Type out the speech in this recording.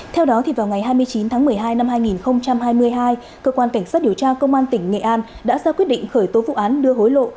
theo đó vào ngày hai mươi chín tháng một mươi hai năm hai nghìn hai mươi hai cơ quan cảnh sát điều tra công an tỉnh nghệ an đã ra quyết định khởi tố vụ án đưa hối lộ